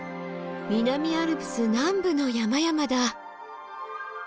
南アルプス南部の山々だ！